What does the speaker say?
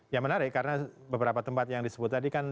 ya menarik karena beberapa tempat yang disebut tadi kan